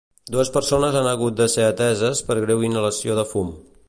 Dues persones han hagut de ser ateses per greu inhalació de fum.